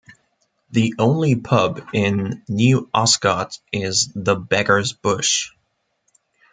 The only pub in New Oscott is the Beggars Bush.